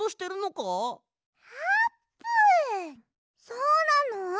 そうなの！？